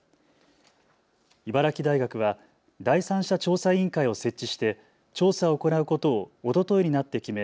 茨城大学は第三者調査委員会を設置して調査を行うことをおとといになって決め